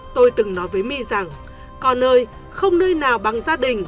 tôi từng nói với my rằng